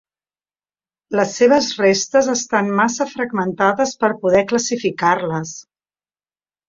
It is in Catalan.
Les seves restes estan massa fragmentades per poder classificar-les.